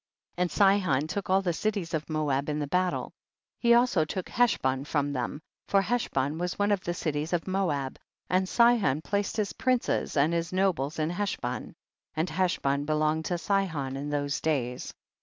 18. And Sihon took all the cities of Moab in the battle ; he also took Heshbon from them, for Heshbon was one of the cities of Moab, and Sihon placed his princes and his nobles in Heshbon, and Heshbon be longed to Sihon in those days.